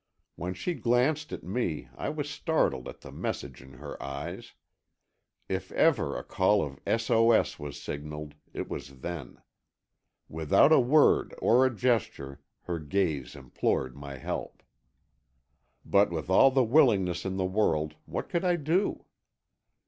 When she glanced at me I was startled at the message in her eyes. If ever a call of SOS was signalled, it was then. Without a word or a gesture her gaze implored my help. But with all the willingness in the world, what could I do?